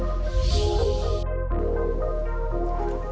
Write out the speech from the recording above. berikutnya tetap menjaga keamanan